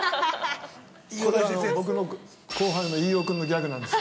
これ、僕の後輩の飯尾君のギャグなんです。